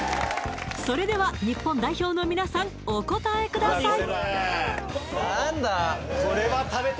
それでは日本代表のみなさんお答えください